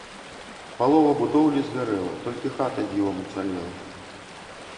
Палова будоўлі згарэла, толькі хата дзівам уцалела.